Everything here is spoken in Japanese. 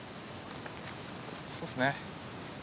そうですね。